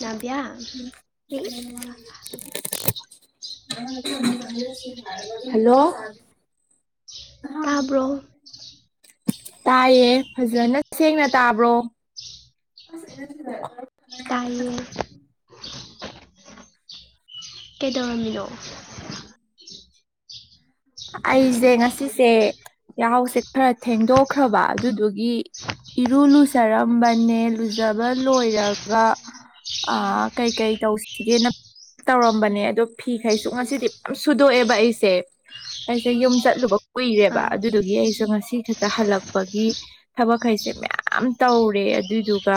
ꯅꯥꯕꯤꯌꯥ ꯑꯣꯦꯜꯂ ꯍꯜꯂꯣ ꯇꯥꯕ꯭ꯔꯣ ꯇꯥꯏꯌꯦ ꯐꯖꯅ ꯁꯦꯡꯅ ꯇꯥꯕ꯭ꯔꯣ ꯑ ꯇꯥꯏꯌꯦ ꯀꯩꯗꯧꯔꯝꯃꯤꯂꯣ ꯑꯩꯁꯦ ꯉꯁꯤꯁꯦ ꯌꯥꯍꯥꯎꯁꯦ ꯈꯔ ꯊꯦꯡꯗꯣꯛꯈ꯭ꯔꯕ ꯑꯗꯨꯗꯨꯒꯤ ꯏꯔꯨ ꯂꯨꯖꯔꯝꯕꯅꯦ ꯂꯨꯖꯕ ꯂꯣꯏꯔꯒ ꯑ ꯀꯩꯀꯩ ꯇꯧꯁꯤꯒꯦꯅ ꯇꯧꯔꯝꯕꯅꯦ ꯑꯗꯣ ꯐꯤꯈꯩꯁꯨ ꯉꯁꯤꯗꯤ ꯁꯨꯗꯣꯛꯑꯦꯕ ꯑꯩꯁꯦ ꯑꯩꯁꯦ ꯌꯨꯝ ꯆꯠꯂꯨꯕ ꯀꯨꯏꯔꯦꯕ ꯑꯥ ꯑꯗꯨꯗꯨꯒꯤ ꯑꯩꯁꯨ ꯉꯁꯤ ꯈꯛꯇ ꯍꯜꯂꯛꯄꯒꯤ ꯊꯕꯛꯈꯩꯁꯦ ꯃꯌꯥꯝ ꯇꯧꯔꯦ ꯑꯗꯨꯏꯗꯨꯒ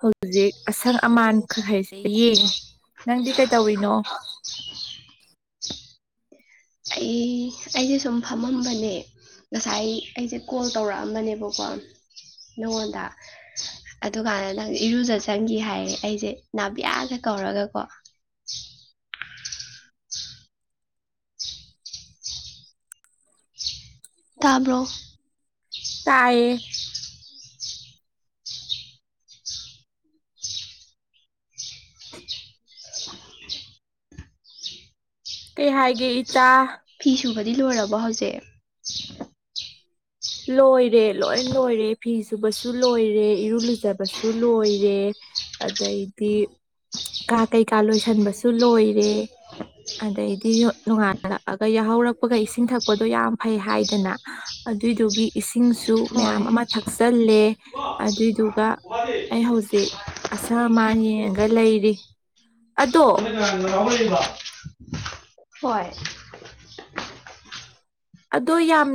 ꯍꯧꯖꯤꯖꯤꯛ ꯑꯁꯪ ꯑꯃꯥꯟꯈꯩꯁꯦ ꯌꯦꯡꯉꯦ ꯅꯪꯗꯤ ꯀꯩꯇꯧꯔꯤꯅꯣ ꯑꯩ ꯑꯩꯁꯦ ꯁꯨꯝ ꯐꯝꯃꯝꯕꯅꯦ ꯉꯁꯥꯏ ꯑꯩꯁꯦ ꯀꯣꯜ ꯇꯧꯔꯛꯑꯝꯕꯅꯦꯕꯀꯣ ꯅꯪꯉꯣꯟꯗ ꯑꯗꯨꯀꯥꯟꯗ ꯅꯪ ꯏꯔꯨꯖ ꯆꯪꯈꯤ ꯍꯥꯏꯔꯦ ꯑꯩꯁꯦ ꯅꯥꯕꯤꯌꯥꯒ ꯀꯧꯔꯒꯀꯣ ꯇꯥꯕ꯭ꯔꯣ ꯇꯌꯦ ꯀꯩ ꯍꯥꯏꯒꯦ ꯏꯆꯥ ꯐꯤ ꯁꯨꯕꯗꯤ ꯂꯣꯏꯔꯕꯣ ꯍꯧꯖꯤꯛ ꯂꯣꯏꯔꯦ ꯂꯣꯏ ꯂꯣꯏꯔꯦ ꯐꯤ ꯁꯨꯕꯁꯨ ꯂꯣꯏꯔꯦ ꯏꯔꯨ ꯂꯨꯖꯕꯁꯨ ꯂꯣꯏꯔꯦ ꯑꯗꯩꯗꯤ ꯀꯥ ꯀꯩꯀꯥ ꯂꯣꯏꯁꯤꯟꯕꯁꯨ ꯂꯣꯏꯔꯦ ꯑꯗꯩꯗꯤ ꯅꯣꯡꯉꯥꯜꯂꯛꯑꯒ ꯌꯥꯍꯧꯔꯛꯄꯒ ꯏꯁꯤꯡ ꯊꯛꯄꯗꯣ ꯌꯥꯝ ꯐꯩ ꯍꯥꯏꯗꯅ ꯑꯗꯨꯏꯗꯨꯒꯤ ꯏꯁꯤꯡꯁꯨ ꯍꯣꯏ ꯃꯌꯥꯝ ꯑꯃ ꯊꯛꯆꯜꯂꯦ ꯑꯗꯨꯏꯗꯨꯒ ꯑꯩ ꯍꯧꯖꯤꯛ ꯑꯁ ꯑꯃꯥꯟ ꯌꯦꯡꯉꯒ ꯂꯩꯔꯤ ꯑꯗꯣ ꯍꯣꯏ ꯑꯣ ꯌꯥꯝ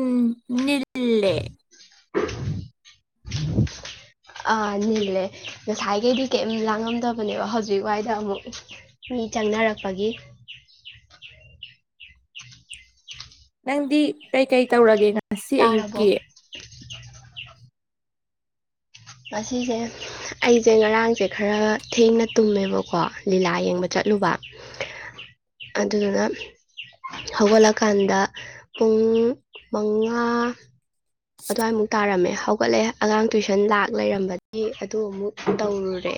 ꯅꯤꯜꯂꯦ ꯅꯤꯜꯂꯦ ꯉꯁꯥꯏꯈꯩꯗꯤ ꯀꯔꯤꯝ ꯂꯥꯡꯉꯝꯗꯕꯅꯦꯕ ꯍꯧꯖꯤꯛ ꯋꯥꯏꯗ ꯑꯃꯨꯛ ꯃꯤ ꯆꯪꯅꯔꯛꯄꯒꯤ ꯅꯪꯗꯤ ꯀꯩꯀꯩ ꯇꯧꯔꯒꯦ ꯉꯁꯤ ꯇꯥꯔꯕꯣ ꯑꯌꯨꯛꯀꯤ [unintelligible] [unintelligible] ꯉꯁꯤꯁꯦ ꯑꯩꯁꯦ ꯉꯔꯥꯡꯁꯦ ꯈꯔ ꯊꯦꯡꯅ ꯇꯨꯝꯃꯦꯕꯀꯣ ꯂꯤꯂꯥ ꯌꯦꯡꯕ ꯆꯠꯂꯨꯕ ꯑꯗꯨꯗꯨꯅ ꯍꯧꯒꯠꯂꯀꯥꯟꯗ ꯄꯨꯡ ꯃꯉꯥ ꯑꯗꯨꯋꯥꯏꯃꯨꯛ ꯇꯥꯔꯝꯃꯦ ꯍꯧꯒꯠꯂꯦ ꯑꯉꯥꯡ ꯇꯨꯏꯁꯟ ꯂꯥꯛ ꯂꯩꯔꯝꯕꯗꯤ ꯑꯗꯨ ꯑꯃꯨꯛ ꯇꯧꯔꯨꯔꯦ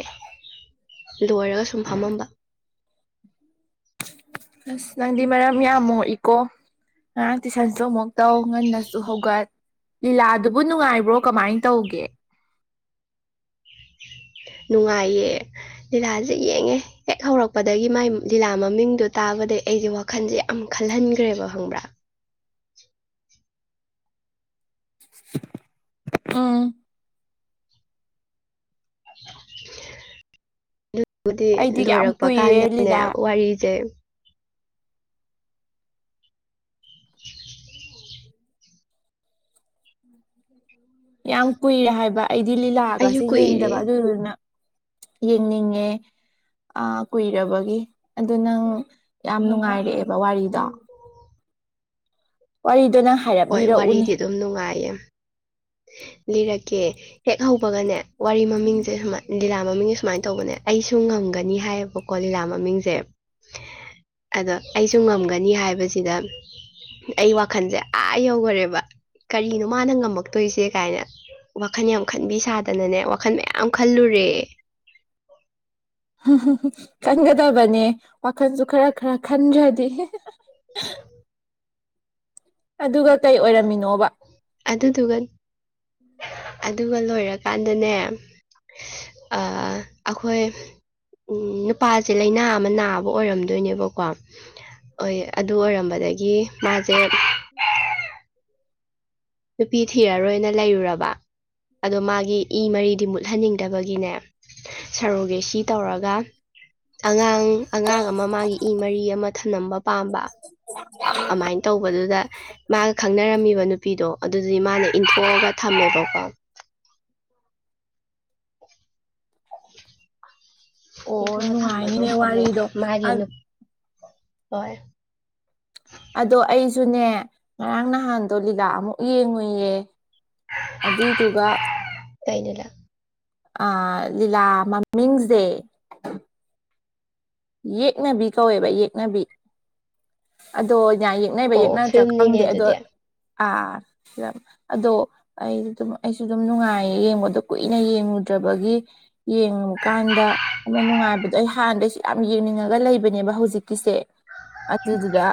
ꯂꯣꯏꯔꯒ ꯁꯨꯝ ꯐꯝꯃꯝꯕ ꯑꯁ ꯅꯪꯗꯤ ꯃꯔꯝ ꯌꯥꯝ ꯃꯣꯛꯏꯀꯣ ꯉꯔꯥꯡ ꯇꯨꯏꯁꯟꯁꯨ ꯑꯃꯨꯛ ꯇꯧ ꯉꯟꯅꯁꯨ ꯍꯧꯒꯠ ꯂꯤꯂꯥꯗꯨꯕꯨ ꯅꯨꯡꯉꯥꯏꯕ꯭ꯔꯣ ꯀꯃꯥꯏꯅ ꯇꯧꯒꯦ ꯅꯨꯡꯉꯥꯏꯌꯦ ꯂꯤꯂꯥꯁꯦ ꯌꯦꯡꯉꯦ ꯍꯦꯛ ꯍꯧꯔꯛꯄꯗꯒꯤ ꯃꯥꯏ ꯂꯤꯂꯥ ꯃꯃꯤꯡꯗꯣ ꯇꯥꯕꯗꯩ ꯑꯩꯁꯦ ꯋꯥꯈꯜꯁꯦ ꯌꯥꯝ ꯈꯜꯍꯟꯈ꯭ꯔꯦꯕ ꯈꯪꯕ꯭ꯔꯥ ꯑꯥ [unintelligible] ꯑꯗꯨꯕꯨꯗꯤ ꯑꯩꯗꯤ ꯌꯥꯝ ꯂꯣꯏꯔꯛꯄ ꯀꯨꯏꯔꯦ ꯀꯥꯟꯗꯅꯦ ꯂꯤꯂꯥ ꯋꯥꯔꯤꯁꯦ ꯌꯥꯝ ꯀꯨꯏꯔꯦ ꯍꯥꯏꯕ ꯑꯩꯗꯤ ꯑꯩꯁꯨ ꯂꯤꯂꯥꯒꯁꯦ ꯀꯨꯏꯔꯦ ꯌꯦꯡꯗꯕ ꯑꯗꯨꯗꯨꯅ ꯌꯦꯡꯅꯤꯡꯉꯦ ꯀꯨꯏꯔꯕꯒꯤ ꯑꯗꯨ ꯅꯪ ꯌꯥꯝ ꯅꯨꯡꯉꯥꯏꯔꯛꯑꯦꯕ ꯋꯥꯔꯤꯗꯣ ꯑꯣꯏ ꯍꯣꯏ ꯋꯥꯔꯤꯗꯤ ꯑꯗꯨꯝ ꯅꯨꯡꯉꯥꯏꯌꯦ ꯂꯤꯔꯛꯀꯦ ꯍꯦꯛ ꯍꯧꯕꯒꯅꯦ ꯋꯥꯔꯤ ꯃꯃꯤꯡꯁꯦ ꯁꯨꯃꯥꯏ ꯂꯤꯂꯥ ꯃꯡꯦ ꯁꯨꯃꯥꯏꯅ ꯇꯧꯕꯅꯦ ꯑꯩꯁꯨ ꯉꯝꯒꯅꯤ ꯍꯥꯏꯌꯦꯕꯀꯣ ꯂꯤꯂꯥ ꯃꯃꯤꯡꯁꯦ ꯑꯗꯣ ꯑꯩꯁꯨ ꯉꯝꯒꯅꯤ ꯍꯥꯏꯕꯁꯤꯗ ꯑꯩ ꯋꯥꯈꯜꯁꯦ ꯑꯥ ꯌꯧꯈꯔꯦꯕ ꯀꯔꯤꯅꯣ ꯃꯥꯅ ꯉꯝꯃꯛ ꯇꯣꯏꯁꯦ ꯀꯥꯏꯅ ꯋꯥꯈꯜ ꯌꯥꯝ ꯈꯟꯕꯤ ꯁꯥꯗꯅꯅꯦ ꯋꯥꯈꯜ ꯃꯌꯥꯝ ꯈꯜꯂꯨꯔꯦ ꯎꯝ ꯈꯟꯒꯗꯕꯅꯦ ꯋꯥꯈꯜꯁꯨ ꯈꯔ ꯈꯔ ꯈꯟꯗ꯭ꯔꯗꯤ ꯑꯗꯨꯒ ꯀꯩ ꯑꯣꯏꯔꯝꯃꯤꯅꯣꯕ ꯑꯗꯨꯗꯨꯒ ꯑꯗꯨꯒ ꯂꯣꯏꯔꯀꯥꯟꯗꯅꯦ ꯑꯩꯈꯣꯏ ꯅꯨꯄꯥꯁꯦ ꯂꯩꯥꯏꯅꯥ ꯑꯃ ꯅꯥꯕ ꯑꯣꯏꯔꯝꯗꯣꯏꯅꯦꯕꯀꯣ ꯑꯣꯏ ꯑꯗꯨ ꯑꯣꯏꯔꯝꯕꯗꯒꯤ ꯃꯥꯁꯦ ꯎꯝ ꯅꯨꯄꯤ ꯊꯤꯔꯔꯣꯏꯅ ꯂꯩꯔꯨꯔꯕ ꯑꯗꯣ ꯃꯥꯒꯤ ꯏ ꯃꯔꯤꯗꯤ ꯃꯨꯠꯍꯟꯅꯤꯡꯗꯕꯒꯤꯅꯦ ꯁꯔꯣꯒꯦꯁꯤ ꯇꯧꯔꯒ ꯑꯉꯥꯡ ꯑꯉꯥꯡ ꯑꯃ ꯃꯥꯒꯤ ꯏ ꯃꯔꯤ ꯑꯃ ꯊꯝꯂꯝꯝꯕ ꯄꯥꯝꯕ ꯑꯗꯨꯃꯥꯏꯅ ꯇꯧꯕꯗꯨꯗ ꯃꯥꯒ ꯈꯪꯅꯔꯝꯃꯤꯕ ꯅꯨꯄꯤ ꯄꯤꯗꯣ ꯑꯗꯨꯗꯤ ꯃꯥꯅ ꯏꯟꯊꯣꯛꯑꯒ ꯊꯝꯃꯦꯕꯣꯀꯣ [unintelligible] ꯑꯣ ꯏꯟꯊꯣꯛꯑ ꯊꯝꯕꯗꯣ ꯅꯨꯡꯉꯥꯏꯅꯤꯅꯦ ꯑꯃꯨꯛ ꯋꯥꯔꯤꯗꯣ ꯃꯥꯒꯤ ꯅꯨꯄꯤ ꯍꯣꯏ ꯑꯗꯣ ꯑꯩ ꯁꯨꯅꯦ ꯉꯔꯥꯡ ꯅꯍꯥꯟꯗꯣ ꯂꯤꯂꯥ ꯑꯃꯨꯛ ꯌꯦꯡꯉꯨꯏꯌꯦ ꯑꯗꯨꯗꯨꯒ ꯀꯥꯏꯩꯅꯂ ꯑ ꯂꯤꯂꯥ ꯃꯤꯡꯁ ꯗꯦ ꯌꯦꯛꯅꯕꯤ ꯀꯧꯋꯦꯕ ꯌꯦꯛꯅꯕꯤ ꯑꯗꯣ ꯌꯥ ꯌꯦꯛꯅꯩꯕ ꯑꯣ ꯌꯦꯛꯅꯗ꯭ꯔꯥ ꯐꯤꯂꯝꯅꯤꯅꯦ ꯈꯪꯗꯦ ꯑꯗꯣ ꯑꯗꯨꯗꯤ ꯑꯥꯂꯝ ꯑꯗꯣ ꯑꯩ ꯑꯗꯨꯝ ꯑꯩꯁꯨ ꯑꯗꯨꯝ ꯅꯨꯡꯉꯥꯏꯌꯦ ꯌꯦꯡꯕꯗꯣ ꯀꯨꯏꯅ ꯌꯦꯡꯉꯨꯗ꯭ꯔꯕꯒꯤ ꯌꯦꯡꯉꯨꯀꯥꯟꯗ ꯑꯃ ꯅꯨꯡꯉꯥꯏꯕꯗꯣ ꯑꯩ ꯍꯥꯟꯅꯗꯩ ꯌꯥꯝ ꯌꯦꯡꯅꯤꯡꯉꯒ ꯂꯩꯕꯅꯦꯕ ꯍꯧꯖꯤꯛꯀꯤꯁꯦ ꯑꯊꯗꯨꯗ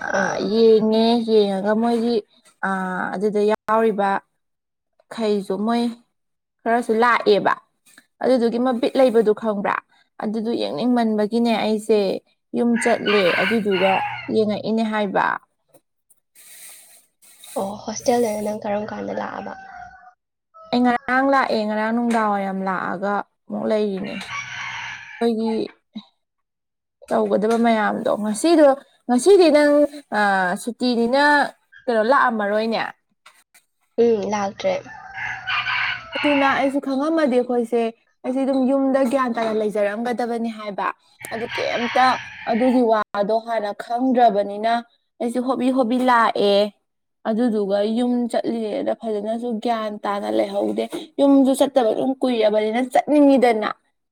ꯑ ꯑꯥ ꯌꯦꯡꯅꯦꯦ ꯌꯦꯡꯉꯒ ꯃꯣꯏꯒꯤ ꯑ ꯑꯗꯨꯗ ꯌꯥꯎꯔꯤꯕ ꯈꯩꯁꯨ ꯃꯣꯏ ꯈꯔꯁꯨ ꯂꯥꯛꯑꯦꯕ ꯑꯗꯨꯗꯨꯒꯤ ꯃꯕꯤꯠ ꯂꯩꯕꯗꯨ ꯈꯪꯕ꯭ꯔꯥ ꯑꯗꯨꯗꯨ ꯌꯦꯡꯅꯤꯡꯃꯟꯕꯒꯤꯅꯦ ꯑꯩꯁꯦ ꯌꯨꯝ ꯆꯠꯂꯦ ꯑꯗꯨꯗꯨꯒ ꯌꯦꯡꯉꯛꯏꯅꯦ ꯍꯥꯏꯕ ꯑꯣ ꯍꯣꯁꯇꯦꯜꯗꯅ ꯅꯪ ꯀꯔꯝ ꯀꯥꯟꯗ ꯑꯗ ꯑꯩ ꯉꯔꯥꯡ ꯂꯥꯛꯑꯦ ꯉꯔꯥꯡ ꯅꯨꯡꯗꯥꯡꯋꯥꯏꯔꯝ ꯂꯥꯛꯑꯒ ꯑꯃꯨꯛ ꯂꯩꯔꯤꯅꯦ ꯑꯩꯈꯣꯏꯒꯤ ꯇꯧꯒꯗꯕ ꯃꯌꯥꯝꯗꯣ ꯉꯁꯤꯗꯣ ꯉꯁꯤꯗꯤ ꯅꯪ ꯁꯨꯇꯤꯗꯤꯅ ꯀꯩꯅꯣ ꯂꯥꯛꯑꯝꯃꯔꯣꯏꯅꯦ ꯎꯝ ꯂꯥꯛꯇ꯭ꯔꯦ ꯑꯗꯨꯅ ꯑꯩꯁꯨ ꯈꯪꯉꯝꯃꯗꯤ ꯑꯩꯈꯣꯏꯁꯦ ꯑꯩꯁꯦ ꯑꯗꯨꯝ ꯌꯨꯝꯗ ꯒ꯭ꯌꯥꯟ ꯇꯥꯅ ꯂꯩꯖꯔꯝꯒꯗꯕꯅꯤ ꯍꯥꯏꯕ ꯑꯗꯨ ꯀꯩꯝꯇ ꯑꯗꯨꯒꯤ ꯋꯥꯗꯣ ꯍꯥꯟꯅ ꯈꯪꯗ꯭ꯔꯕꯅꯤꯅ ꯑꯩꯁꯦ ꯍꯣꯕꯤ ꯍꯣꯕꯤ ꯂꯥꯛꯑꯦ ꯑꯗꯨꯗꯨꯒ ꯌꯨꯝ ꯆꯠꯂꯤꯉꯦꯗ ꯐꯖꯅꯁꯨ ꯒ꯭ꯌꯥꯟ ꯇꯥꯅ ꯂꯩ ꯍꯧꯗꯦ ꯌꯨꯝꯁꯨ ꯆꯠꯇꯕ ꯑꯗꯨꯝ ꯀꯨꯏꯔꯕꯅꯤꯅ ꯆꯠꯅꯤꯡꯉꯤꯗꯅ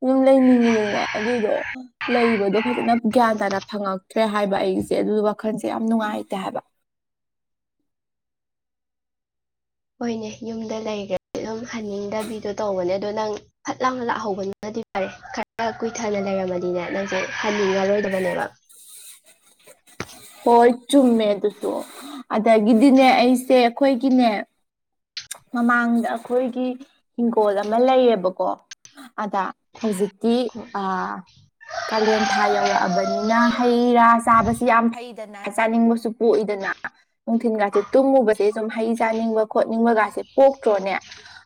ꯌꯨꯝ ꯂꯩꯅꯤꯡꯉꯤꯗꯅ ꯑꯗꯨꯗꯣ ꯂꯩꯕꯗꯣ ꯐꯖꯅ ꯒ꯭ꯌꯥꯟ ꯇꯥꯅ ꯐꯪꯉꯛꯇ꯭ꯔꯦ ꯍꯥꯏꯕ ꯑꯩꯁꯦ ꯑꯗꯨ ꯋꯥꯈꯜꯁꯦ ꯌꯥꯝ ꯅꯨꯡꯉꯥꯏꯇꯦ ꯍꯥꯏꯕ ꯍꯣꯏꯅꯦ ꯌꯨꯝꯗ ꯂꯩꯈ꯭ꯔꯗꯤ ꯑꯗꯨꯝ ꯍꯟꯅꯤꯡꯗꯕꯤꯗꯣ ꯇꯧꯕꯅꯦ ꯑꯗꯣ ꯅꯪ ꯐꯠ ꯂꯥꯎꯅ ꯂꯥꯛꯍꯧꯕꯅꯤꯅꯗꯤ ꯐꯔꯦ ꯈꯔ ꯀꯨꯏꯊꯅ ꯂꯩꯔꯝꯃꯅꯤꯅꯦ ꯅꯪꯁꯦ ꯍꯟꯅꯤꯡꯉꯔꯣꯏꯗꯕꯅꯦꯕ ꯍꯣꯏ ꯆꯨꯝꯃꯦ ꯑꯗꯨꯁꯨ ꯑꯗꯒꯤꯗꯤꯅꯦ ꯑꯩꯁꯦ ꯑꯩꯈꯣꯏꯒꯤꯅꯦ ꯃꯃꯥꯡꯗ ꯑꯩꯈꯣꯏꯒꯤ ꯍꯤꯡꯒꯣꯜ ꯑꯃ ꯂꯩꯌꯦꯕꯀꯣ ꯑꯗ ꯍꯧꯖꯤꯛꯇꯤ ꯀꯥꯂꯦꯟ ꯊꯥ ꯌꯧꯔꯛꯑꯕꯅꯤꯅ ꯍꯩ ꯔꯥ ꯆꯥꯕꯁꯤ ꯁꯤ ꯌꯥꯝ ꯊ ꯗꯅ ꯆꯥꯅꯤꯡꯕꯁꯨ ꯄꯣꯛꯏꯗꯅ ꯅꯨꯡꯊꯤꯤꯟꯒꯁꯨ ꯇꯨꯝꯉꯨꯕꯁꯦ ꯁꯨꯝ ꯍꯩ ꯆꯥꯅꯤꯡꯕ ꯈꯣꯠꯅꯤꯡꯕꯒꯥꯁꯦ ꯄꯣꯛꯇ꯭ꯔꯣꯅꯦ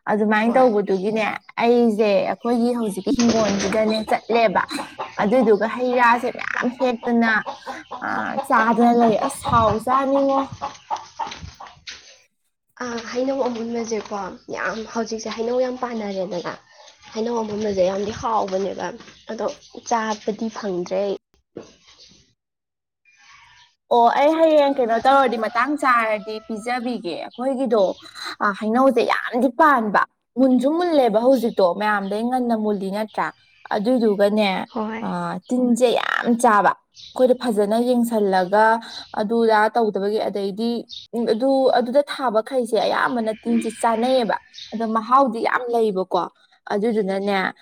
ꯑꯗꯨꯃꯥꯏꯅ ꯍꯣꯏ ꯇꯧꯕꯗꯨꯒꯤꯅꯦ ꯑꯩꯁꯦ ꯑꯩꯈꯣꯏꯒꯤ ꯍꯧꯖꯤꯛꯀꯤ ꯍꯤꯡꯒꯣꯜꯁꯤꯗꯅꯦ ꯆꯠꯂꯦꯕ ꯑꯗꯨꯏꯗꯨꯒ ꯍꯩ ꯔꯥꯁꯦ ꯃꯌꯥꯝ ꯍꯦꯛꯇꯅ ꯆꯥꯗꯅ ꯂꯩ ꯑꯁ ꯁꯥꯎ ꯆꯥꯅꯤꯡꯉꯣ ꯍꯩꯅꯧ ꯑꯃꯨꯕꯁꯦꯀꯣ ꯌꯥꯝ ꯍꯧꯖꯤꯛꯁꯦ ꯍꯩꯅꯧ ꯌꯥꯝ ꯄꯥꯅꯔꯦꯗꯅ ꯍꯩꯅꯧ ꯑꯃꯨꯟꯕꯁꯦ ꯌꯥꯝꯗꯤ ꯍꯥꯎꯕꯅꯦꯕ ꯑꯗꯣ ꯆꯥꯕꯗꯤ ꯐꯪꯗ꯭ꯔꯦ ꯑꯣ ꯑꯩ ꯍꯌꯦꯡ ꯀꯩꯅꯣ ꯇꯧꯔꯗꯤ ꯃꯇꯥꯡ ꯆꯥꯔꯗꯤ ꯄꯤꯖꯕꯤꯒꯦ ꯑꯩꯈꯣꯏꯒꯤꯗꯣ ꯍꯩꯅꯧꯁꯦ ꯌꯥꯝꯗꯤ ꯄꯥꯟꯕ ꯃꯨꯟꯁꯨ ꯃꯨꯜꯂꯦꯕ ꯍꯧꯖꯤꯛꯇꯣ ꯃꯌꯥꯝꯗꯩ ꯉꯟꯅ ꯃꯨꯜꯂꯤ ꯅꯠꯇ꯭ꯔꯥ ꯑꯗꯨꯏꯗꯨꯒꯅꯦ ꯍꯣꯏ ꯇꯤꯟꯁꯦ ꯌꯥꯝ ꯆꯥꯕ ꯑꯩꯈꯣꯏꯗ ꯐꯖꯅ ꯌꯦꯡꯁꯜꯂꯒ ꯑꯗꯨꯗ ꯇꯧꯗꯕꯒꯤ ꯑꯗꯩꯗꯤ ꯎ ꯑꯗꯨ ꯑꯗꯨꯗ ꯊꯥꯕꯈꯩꯁꯦ ꯑꯌꯥꯝꯕꯅ ꯇꯤꯟꯁꯤ ꯆꯥꯅꯩꯌꯦꯕ ꯑꯗꯣ ꯃꯍꯥꯎꯗꯤ ꯌꯥꯝ ꯂꯩꯕꯀꯣ ꯑꯗꯨꯗꯨꯅꯅꯦ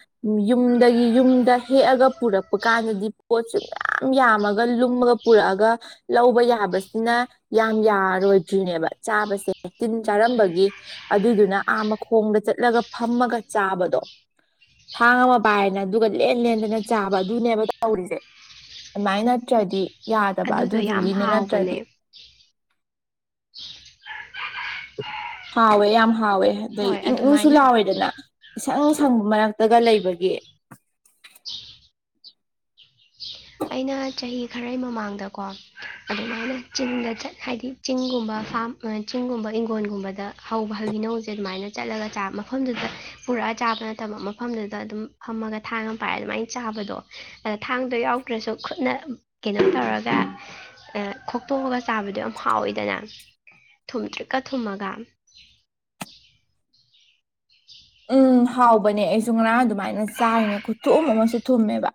ꯌꯨꯝꯗꯒꯤ ꯌꯨꯝꯗ ꯍꯦꯛꯑꯒ ꯄꯨꯔꯛꯄ ꯀꯥꯟꯗꯗꯤ ꯄꯣꯠꯁꯨ ꯃꯌꯥꯝ ꯌꯥꯝꯃꯒ ꯂꯨꯝꯃꯒ ꯄꯨꯔꯛꯑꯒ ꯂꯧꯕ ꯌꯥꯕꯁꯤꯅ ꯌꯥꯝ ꯌꯥꯔꯣꯏꯗ꯭ꯔꯤꯅꯦꯕ ꯆꯥꯕꯁꯦ ꯇꯤꯟ ꯆꯥꯔꯝꯕꯒꯤ ꯑꯗꯨꯏꯗꯨꯅ ꯑꯥ ꯃꯈꯣꯡꯗ ꯆꯠꯂꯒ ꯐꯝꯃꯒ ꯆꯥꯕꯗꯣ ꯊꯥꯡ ꯑꯃ ꯄꯥꯏꯔꯅ ꯑꯗꯨꯒ ꯂꯦꯟ ꯂꯦꯟꯗꯅ ꯆꯥꯕ ꯑꯗꯨꯅꯦꯕ ꯇꯧꯔꯤꯁꯦ ꯑꯗꯨꯃꯥꯏꯅ ꯅꯠꯇ꯭ꯔꯗꯤ ꯌꯥꯗꯕ ꯑꯗꯨꯗꯣ ꯌꯥꯝ ꯑꯗꯨꯗꯨꯒꯤꯅꯦ ꯍꯥꯎꯕꯅꯦ ꯅꯠꯇ꯭ꯔꯗꯤ ꯍꯥꯎ ꯌꯥꯝ ꯍꯥꯎꯋꯦ ꯑꯗꯩ ꯍꯣꯏ ꯏꯪꯅꯨꯡꯁꯨ ꯑꯗꯨꯃꯥꯏꯅ ꯂꯥꯎꯋꯦꯗꯅ ꯏꯁꯪ ꯁꯪꯕ ꯃꯔꯛꯇꯒ ꯂꯩꯕꯒꯤ ꯑꯩꯅ ꯆꯍꯤ ꯈꯔꯒꯤ ꯃꯃꯥꯡꯗꯀꯣ ꯑꯗꯨꯃꯥꯏꯅ ꯆꯤꯡꯗ ꯆꯠ ꯍꯥꯏꯗꯤ ꯆꯤꯡꯒꯨꯝꯕ ꯐꯥꯝ ꯆꯤꯡꯒꯨꯝꯕ ꯏꯪꯈꯣꯣꯟꯒꯨꯝꯕꯗ ꯍꯧꯕ ꯍꯤꯅꯧꯁꯦ ꯑꯗꯨꯃꯥꯏꯅ ꯆꯠꯂꯒꯥ ꯃꯐꯝꯗꯨꯗ ꯄꯨꯔꯛꯑ ꯆꯥꯕ ꯅꯠꯇꯕ ꯃꯐꯝꯗꯨꯗ ꯑꯗꯨꯝ ꯐꯝꯃꯒ ꯊꯥꯡ ꯑꯃ ꯄꯥꯏꯔ ꯑꯗꯨꯃꯥꯏꯅ ꯆꯥꯕꯗꯣ ꯑꯗ ꯊꯥꯡꯗꯣ ꯌꯥꯎ ꯇ꯭ꯔꯁꯨ ꯈꯨꯠꯅ ꯀꯩꯅꯣ ꯇꯧꯔꯒ ꯈꯣꯛꯇꯣꯛꯑꯒ ꯆꯥꯕꯗꯣ ꯌꯥꯝ ꯍꯥꯎꯋꯤꯗꯅ ꯊꯨꯝꯗ꯭ꯔꯤꯛꯀ ꯊꯨꯝꯃꯒ ꯎꯝ ꯍꯥꯎꯕꯅꯦ ꯑꯩꯁꯨ ꯉꯔꯥꯡ ꯑꯗꯨꯃꯥꯏꯅ ꯆꯥꯏꯅꯦ ꯈꯨꯊꯨꯝ ꯑꯃꯁꯨ ꯊꯨꯝꯃꯦꯕ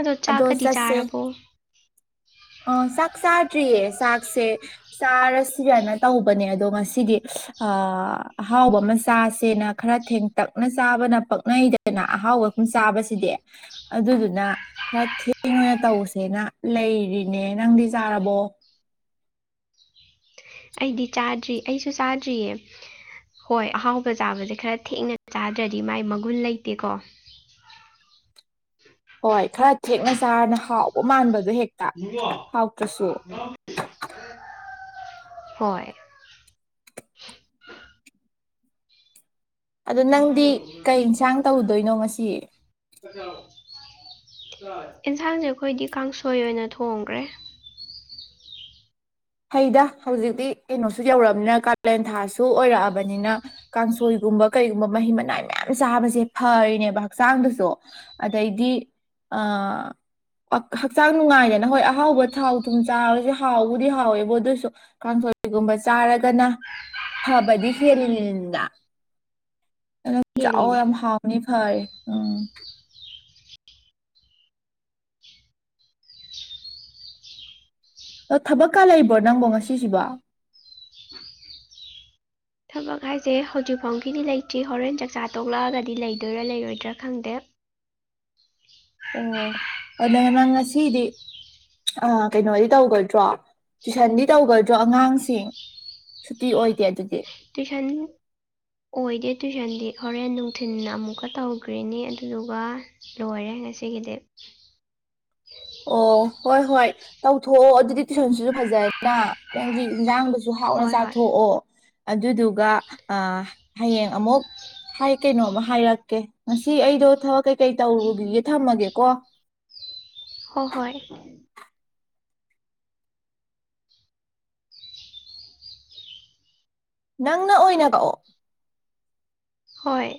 ꯑꯗꯣ ꯆꯥꯛꯀꯗꯤ ꯆꯥꯔꯕꯣ ꯑꯣ ꯆꯥꯛ ꯆꯥꯇ꯭ꯔꯤꯌꯦꯁ ꯆꯥꯛꯁꯦ ꯆꯥꯔꯁꯤꯒꯅ ꯇꯧꯕꯅꯦ ꯑꯗꯣ ꯉꯁꯤꯗꯤ ꯑ ꯑꯍꯥꯎꯕ ꯃꯆꯥꯁꯦꯅ ꯈꯔ ꯊꯦꯡꯇꯛꯅ ꯆꯥꯕꯅ ꯄꯛꯅꯩꯗꯅ ꯑꯍꯥꯎꯕꯒꯨꯝ ꯆꯥꯕꯁꯤꯗꯤ ꯑꯗꯨꯗꯨꯅ ꯈꯔ ꯊꯦꯡ ꯑꯣꯏꯅ ꯇꯧꯁꯦꯅ ꯂꯩꯔꯤ ꯅꯦ ꯅꯪꯗꯤ ꯆꯥꯔꯕꯣ ꯑꯩꯗꯤ ꯆꯥꯗ꯭ꯔꯤ ꯑꯩꯁꯨ ꯆꯥꯗ꯭ꯔꯤꯌꯦ ꯍꯣꯏ ꯑꯍꯥꯎꯕ ꯆꯥꯕꯁꯦ ꯈꯔ ꯊꯦꯡꯅ ꯆꯥꯗ꯭ꯔꯗꯤ ꯃꯥꯏ ꯃꯒꯨꯟ ꯂꯩꯇꯦꯀꯣ ꯍꯣꯏ ꯈꯔ ꯊꯦꯛꯅ ꯆꯥꯔꯅ ꯍꯥꯎꯕ ꯃꯥꯟꯕꯗꯣ ꯍꯦꯛ ꯍꯥꯎ ꯀꯁꯨꯣ ꯍꯣꯏ ꯑꯗꯣ ꯅꯪꯗꯤ ꯀꯩ ꯌꯦꯟꯁꯥꯡ ꯇꯧꯗꯣꯏꯅꯣ ꯉꯁꯤ ꯑꯦꯟꯁꯥꯡꯁꯦ ꯑꯩꯈꯣꯏꯗꯤ ꯀꯥꯡꯁꯣꯏ ꯑꯣꯏꯅ ꯊꯣꯡꯈ꯭ꯔꯦ ꯍꯩꯗ ꯍꯧꯖꯤꯛꯇꯤ ꯀꯩꯅꯣꯁꯨ ꯌꯧꯔꯕꯅꯤꯅ ꯀꯥꯂꯦꯟ ꯊꯥꯁꯨ ꯑꯣꯏꯔꯛꯑꯕꯅꯤꯅ ꯀꯥꯡꯁꯣꯏꯒꯨꯝꯕ ꯀꯩꯒꯨꯝꯕ ꯃꯍꯤ ꯃꯅꯥꯏ ꯃꯌꯥꯝ ꯆꯥꯕꯁꯦ ꯐꯔꯤꯅꯦꯕ ꯍꯛꯆꯥꯡꯗꯁꯨ ꯑꯗꯩꯗꯤ ꯍꯛꯆꯥꯡ ꯅꯨꯡꯉꯥꯏꯗꯅ ꯍꯣꯏ ꯑꯍꯥꯎꯕ ꯊꯥꯎ ꯊꯨꯝ ꯆꯥꯕꯕꯁꯤꯦ ꯍꯥꯎꯕꯗꯤ ꯍ ꯍꯥꯎꯋꯦꯕ ꯑꯗꯨꯁꯨ ꯀꯥꯡꯊꯣꯜꯒꯨꯝꯕ ꯆꯥꯔꯒꯅ ꯐꯕꯗꯤ ꯍꯦꯜꯂꯤꯅꯤ ꯅꯗ ꯅꯪꯥꯛꯑꯣ ꯌꯦꯜꯂꯤꯅꯦ ꯌꯥꯝ ꯍꯥꯎꯅꯤ ꯍ ꯎꯝ ꯑ ꯊꯕꯛꯀ ꯂꯩꯕ꯭ꯔꯣ ꯅꯪꯕꯣ ꯉꯁꯤꯁꯤꯕꯣ ꯄꯛ ꯍꯥꯏꯁꯦ ꯍꯧꯖꯤꯛ ꯐꯥꯎꯒꯤꯗꯤ ꯂꯩꯇ꯭ꯔꯤ ꯍꯣꯔꯦꯟ ꯆꯥꯛꯆꯥ ꯇꯣꯛꯂꯛꯑꯒꯗꯤ ꯂꯩꯗꯣꯏꯔꯥ ꯂꯩꯔꯣꯏꯗ꯭ꯔꯥ ꯈꯪꯗꯦ ꯑꯣ ꯑꯗꯨꯅ ꯅꯪ ꯉꯁꯤꯗꯤ ꯀꯩꯅꯣꯗꯤ ꯇꯧꯒꯣꯏꯗ꯭ꯔꯣ ꯇꯨꯏꯁꯟꯗꯤ ꯇꯧꯒꯗ꯭ꯔꯣ ꯑꯉꯥꯡꯁꯤꯡ ꯁꯨꯇꯤ ꯑꯣꯏꯗꯦ ꯑꯗꯨꯗꯤ ꯇꯨꯏꯁꯟ ꯑꯣꯏꯗꯦ ꯇꯨꯏꯁꯟꯗꯤ ꯍꯣꯔꯦꯟ ꯅꯨꯡꯊꯤꯤꯟ ꯑꯃꯨꯛꯀ ꯇꯧꯈ꯭ꯔꯤꯅꯤ ꯑꯗꯨꯗꯨꯒ ꯂꯣꯏꯔꯦ ꯉꯁꯤꯒꯤꯗꯤ ꯑꯣ ꯍꯣꯏ ꯍꯣꯏ ꯇꯧꯊꯣꯛꯑꯣ ꯑꯗꯨꯗꯤ ꯇꯨꯏꯁꯟꯁꯤꯁꯨ ꯐꯖꯗꯅ ꯅꯪꯒꯤ ꯏꯟꯖꯥꯡꯁꯨ ꯨ ꯍꯥꯎꯅ ꯍꯣꯏ ꯍꯣꯏ ꯆꯥꯊꯣꯛꯑꯣ ꯑꯗꯨꯗꯨꯒ ꯍꯌꯦꯡ ꯑꯃꯨꯛ ꯀꯩꯅꯣꯃ ꯍꯥꯏꯔꯛꯀꯦ ꯉꯁꯤ ꯑꯩꯗꯣ ꯊꯕꯛ ꯀꯩꯀꯩ ꯇꯧꯔꯨꯈꯤꯒꯦ ꯊꯝꯃꯒꯦꯀꯣ ꯍ ꯍꯣꯏ ꯅꯪꯅ ꯑꯣꯏꯅ ꯀꯥꯛꯑꯣ ꯍꯣꯏ